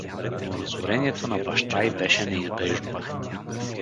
Но разорението на баща й беше неизбежно.